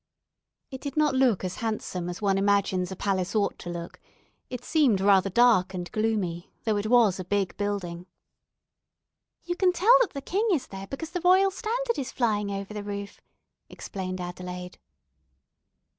It did not look as handsome as one imagines a palace ought to look; it seemed rather dark and gloomy, though it was a big building. "You can tell that the king is there because the royal standard is flying over the roof," explained Adelaide.